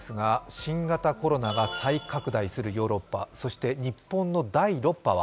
新型コロナが再拡大するヨーロッパ、そして日本の第６波は？